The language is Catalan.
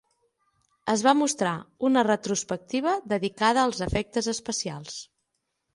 Es va mostrar una retrospectiva dedicada als efectes especials.